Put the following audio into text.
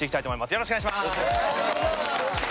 よろしくお願いします。